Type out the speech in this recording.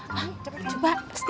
hah coba stay in disini